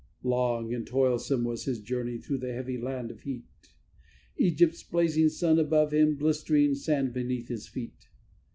Long and toilsome was his journey through the heavy land of heat, Egypt's blazing sun above him, blistering sand beneath his feet.